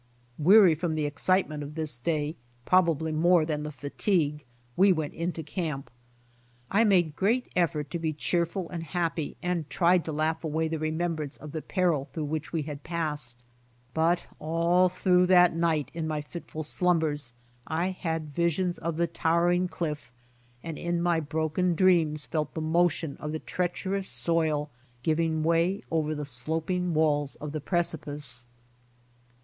Weary from the excitement of this clay, probably more than the fatigue, we went into camp, I made great effort to be cheerful and happy and tried to laugh away the remembrance of the peril through which we had passed, but all through the night in my fitful slumbers I had visions of the towering cliff, and in my broken dreams felt the< motion of the treacherous soil giving way over the sloping walls of the precipice.